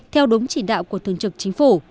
theo đúng chỉ đạo của thường trực chính phủ